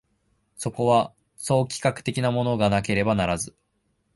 そこには総企画的なものがなければならず、